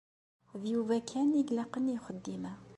D Yuba kan i ilaqen i uxeddim-a.